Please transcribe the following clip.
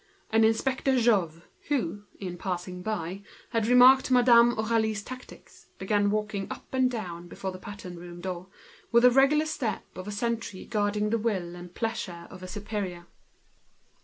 And Jouve, the inspector, who, passing by, had remarked Madame Aurélie's tactics, commenced walking up and down before the pattern room door, with the regular step of a sentry guarding the will and pleasure of a superior.